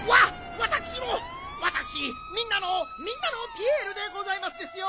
わたくしみんなのみんなのピエールでございますですよ！